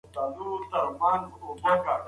معلومات د پوهې د ترلاسه کولو لومړی ګام دی.